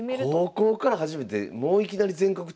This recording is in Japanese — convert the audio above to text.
高校から始めてもういきなり全国大会？